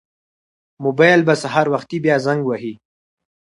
موبایل به سهار وختي بیا زنګ وهي.